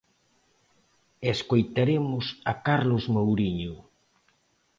E escoitaremos a Carlos Mouriño.